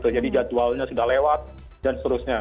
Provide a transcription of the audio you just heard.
jadi jadwalnya sudah lewat dan seterusnya